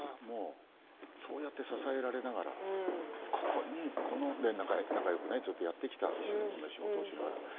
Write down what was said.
そうやって支えられながら仲よくずっとやってきた一緒に仕事をしながら。